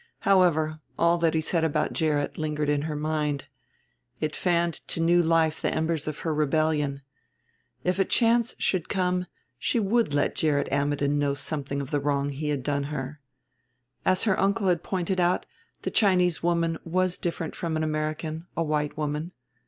However, all that he said about Gerrit lingered in her mind; it fanned to new life the embers of her rebellion. If a chance should come she would let Gerrit Ammidon know something of the wrong he had done her. As her uncle had pointed out, the Chinese woman was different from an American, a white woman.